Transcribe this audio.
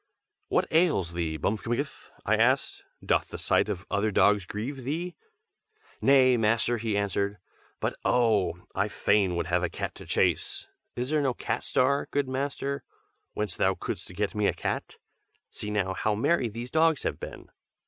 "What ails thee, Bmfkmgth?" I asked. "Doth the sight of the other dogs grieve thee?" "Nay, master!" he answered. "But oh! I fain would have a cat to chase. Is there no Cat Star, good master, whence thou couldst get me a cat? see now, how merry these dogs have been!"